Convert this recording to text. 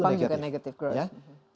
jepang juga negative growth